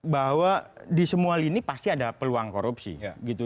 bahwa di semua lini pasti ada peluang korupsi gitu